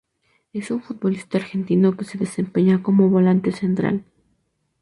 Es un futbolista argentino que se desempeña como volante central.